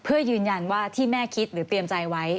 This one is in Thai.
เพื่อยืนยันว่าที่แม่คิดหรือเตรียมใจไว้